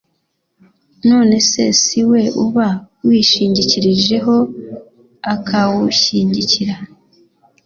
none se si we uba wishingikirijeho akawushyigikira